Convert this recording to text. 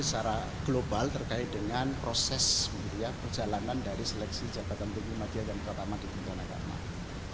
menyampaikan informasi secara global terkait dengan proses perjalanan dari seleksi jabatan pemimpin majelis dan ketua paman di kementerian agama